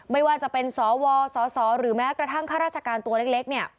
ไม่ว่าจะเป็นสวสสหรือแม้กระทั่งข้าราชการตัวเล็กเนี่ย